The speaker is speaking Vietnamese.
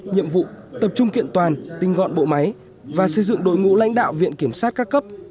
nhiệm vụ tập trung kiện toàn tinh gọn bộ máy và xây dựng đội ngũ lãnh đạo viện kiểm sát các cấp